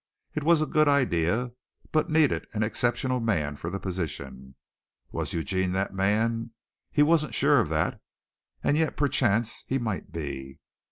It was a good idea, but needed an exceptional man for the position. Was Eugene the man? He wasn't sure of that, and yet perchance he might be.